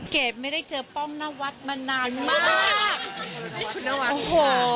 เกดไม่ได้เจอป้องหน้าวัดมานานมาก